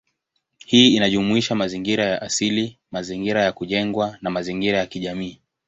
Hii inajumuisha mazingira ya asili, mazingira ya kujengwa, na mazingira ya kijamii.